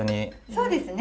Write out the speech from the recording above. そうですね。